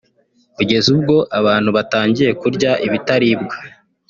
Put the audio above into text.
kugeza ubwo abantu batangiye kurya ibitaribwa